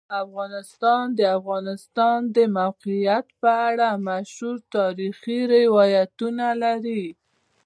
افغانستان د د افغانستان د موقعیت په اړه مشهور تاریخی روایتونه لري.